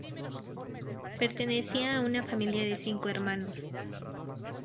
Pertenecía a una familia de cinco hermanos.